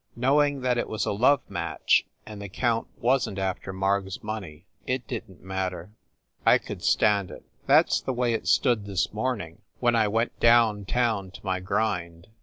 Knowing that it was a love match, and the count wasn t after Marg s money, it didn t matter. I could stand it. That s the way it stood this morning, when I went THE ST. PAUL BUILDING 225 down town to my grind.